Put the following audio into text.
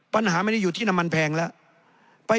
ปัญหาไม่ได้อยู่ที่น้ำมันแพงแล้ว